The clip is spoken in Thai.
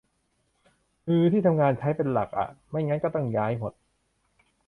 ฮือ ที่ทำงานใช้ เป็นหลักอะ ไม่งั้นก็ต้องย้ายหมด